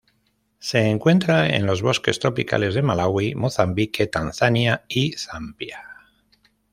Se encuentra en los bosques tropicales de Malawi, Mozambique, Tanzania y Zambia.